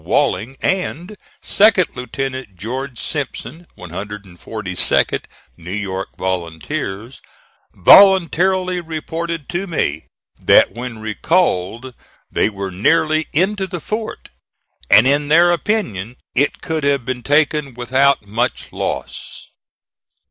Walling, and Second Lieutenant George Simpson, 142d New York Volunteers voluntarily reported to me that when recalled they were nearly into the fort, and, in their opinion, it could have been taken without much loss.